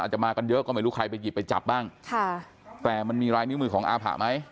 จะมากันเยอะก็ไม่รู้ใครไปหยิบไปจับบ้างค่ะแต่มันมีลายนิ้วมือของอาผะไหม